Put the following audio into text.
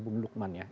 bung lukman ya